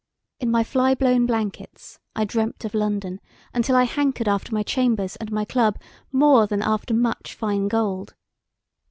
In my fly blown blankets I dreamt of London until I hankered after my chambers and my club more than after much fine gold.